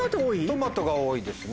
トマトが多いですね。